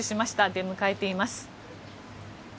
出迎えています。